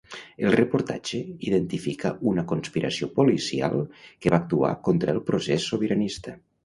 El reportatge identifica una conspiració policial que va actuar contra el procés sobiranista.